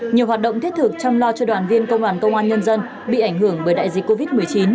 nhiều hoạt động thiết thực chăm lo cho đoàn viên công đoàn công an nhân dân bị ảnh hưởng bởi đại dịch covid một mươi chín